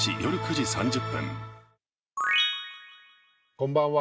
こんばんは。